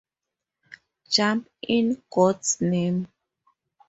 Jump — in God’s name!